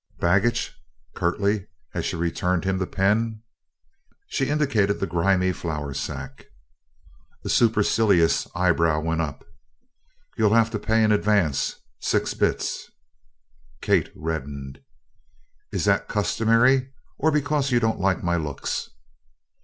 "Baggage?" curtly, as she returned him the pen. She indicated the grimy flour sack. A supercilious eyebrow went up. "You'll have to pay in advance. Six bits." Kate reddened. "Is that customary, or because you don't like my looks?"